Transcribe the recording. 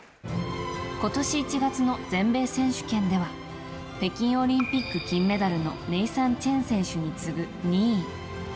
今年１月の全米選手権では北京オリンピック金メダルのネイサン・チェン選手に次ぐ２位。